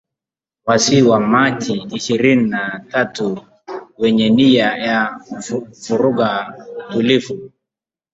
waasi wa Machi ishirini na tatu wenye nia ya kuvuruga utulivu